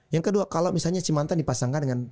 yang kedua kalau misalnya si mantan dipasangkan dengan